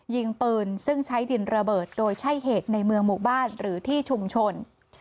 ยิงปืนซึ่งใช้ดินระเบิดโดยใช่เหตุในเมืองหมู่บ้านหรือที่ชุมชน